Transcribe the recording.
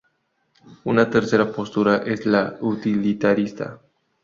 Una tercera postura es la utilitarista.